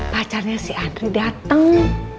pacarnya si andri dateng